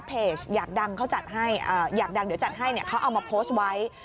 เพจอยากดังเดี๋ยวจัดให้เขาเอามาโพสต์ไว้